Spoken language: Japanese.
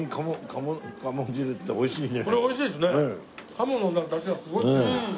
鴨のダシがすごい。